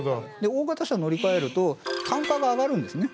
大型車乗り換えると単価が上がるんですね